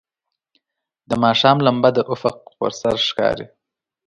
د ماښام لمبه د افق پر سر ښکاري.